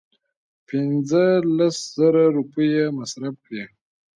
پنځه لس زره روپۍ یې مصرف کړې.